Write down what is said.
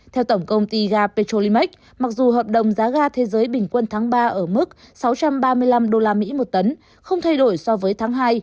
theo tổng công ty ga petrolimax mặc dù hợp đồng giá ga thế giới bình quân tháng ba ở mức sáu trăm ba mươi năm usd một tấn không thay đổi so với tháng hai